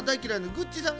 グッチさんが。